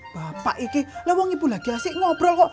bapak itu bapak ibu lagi asik ngobrol kok